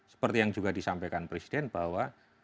seperti yang juga disampaikan presiden bahwa